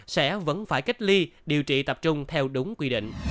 sẽ vẫn phải cách ly điều trị tập trung theo đúng quy định